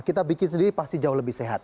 kita bikin sendiri pasti jauh lebih sehat